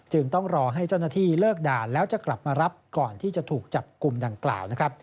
ต้องรอให้เจ้าหน้าที่เลิกด่านแล้วจะกลับมารับก่อนที่จะถูกจับกลุ่มดังกล่าว